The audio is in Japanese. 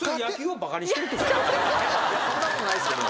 そんなことないっすけど。